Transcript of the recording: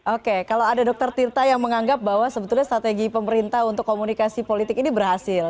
oke kalau ada dr tirta yang menganggap bahwa sebetulnya strategi pemerintah untuk komunikasi politik ini berhasil